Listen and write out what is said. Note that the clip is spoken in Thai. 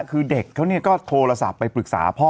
คือเด็กเขาก็โทรศัพท์ไปปรึกษาพ่อ